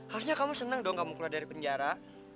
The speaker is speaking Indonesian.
harusnya kamu senang dong kamu keluar dari penjara